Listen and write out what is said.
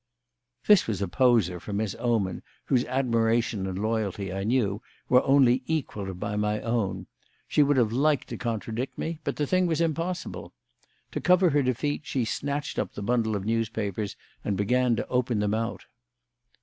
This was a poser for Miss Oman, whose admiration and loyalty, I knew, were only equalled by my own. She would have liked to contradict me, but the thing was impossible. To cover her defeat she snatched up the bundle of newspapers and began to open them out.